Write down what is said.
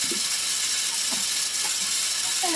ولسي جرګه په ټولنه کي عدالت غواړي.